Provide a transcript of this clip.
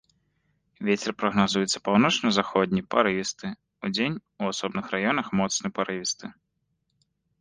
Вецер прагназуецца паўночна-заходні парывісты, удзень у асобных раёнах моцны парывісты.